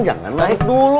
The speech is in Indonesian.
jangan naik dulu